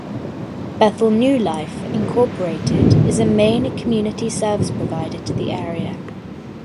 Bethel New Life, Incorporated is a main community service provider to the area.